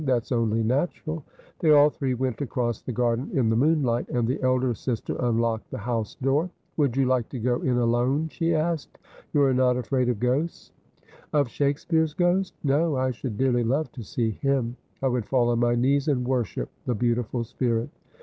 ' That's only natural.' They all three went across the garden in the moonlight, and the elder sister unlocked the house door. ' Would you like to go in alone ?' she asked. ' You are not afraid of ghosts ?' 268 Asphodel. ' Of Shakespeare's ghost ? No, I should dearly love to see him. I would fall on my knees and worship the beautiful spirit.'